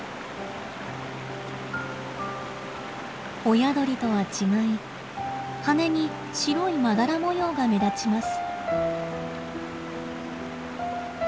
親鳥とは違い羽に白いまだら模様が目立ちます。